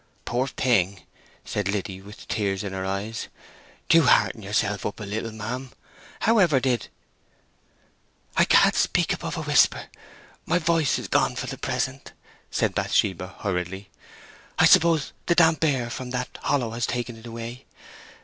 "Poor thing!" said Liddy, with tears in her eyes, "Do hearten yourself up a little, ma'am. However did—" "I can't speak above a whisper—my voice is gone for the present," said Bathsheba, hurriedly. "I suppose the damp air from that hollow has taken it away.